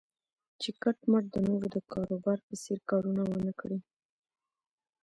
چې کټ مټ د نورو د کاروبار په څېر کارونه و نه کړي.